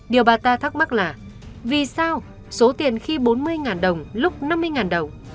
điều bà ta thắc mắc là vì sao số tiền khi bốn mươi đồng lúc năm mươi đồng